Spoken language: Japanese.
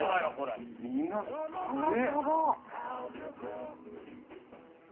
身がすげえ。